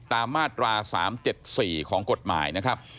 ตามมาตรา๓๗๔ของกฎหมายนะครับ